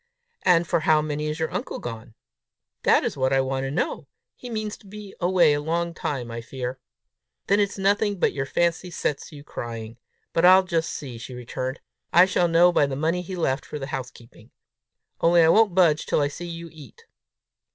"And for how many is your uncle gone?" "That is what I want to know. He means to be away a long time, I fear." "Then it's nothing but your fancy sets you crying! But I'll just see!" she returned. "I shall know by the money he left for the house keeping! Only I won't budge till I see you eat."